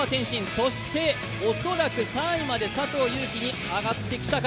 そして、恐らく３位まで佐藤悠基上がってきたか。